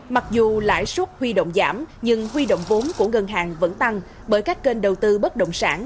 mặc dù lãi suất huy động giảm nhưng huy động vốn của ngân hàng vẫn tăng bởi các kênh đầu tư bất động sản